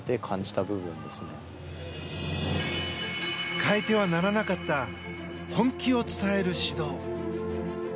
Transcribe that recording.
変えてはならなかった本気を伝える指導。